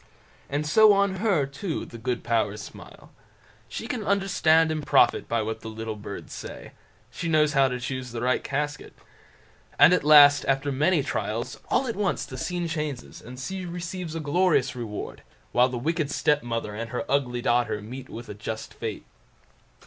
And so on her, too, the good powers smile. She can understand and profit by what the little birds say; she knows how to choose the right casket. And at last, after many trials, all at once the scene changes, and she receives a glorious reward, while the wicked stepmother and her ugly daughter meet with a just fate.